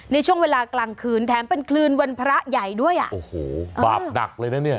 ในช่วงเวลากลางคืนแถมเป็นคืนวันพระใหญ่ด้วยอ่ะโอ้โหบาปหนักเลยนะเนี่ย